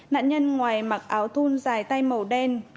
nạn nhân ngoài mặc áo thun dài tay màu đen